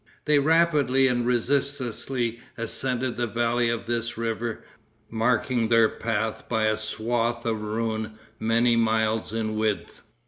They rapidly and resistlessly ascended the valley of this river, marking their path by a swath of ruin many miles in width.